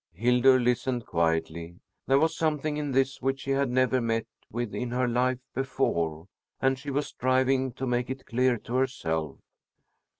Hildur listened quietly. There was something in this which she had never met with in her life before, and she was striving to make it clear to herself.